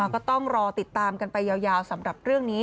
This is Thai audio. ก็ต้องรอติดตามกันไปยาวสำหรับเรื่องนี้